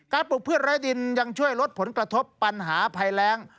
ปลูกพืชไร้ดินยังช่วยลดผลกระทบปัญหาภัยแรง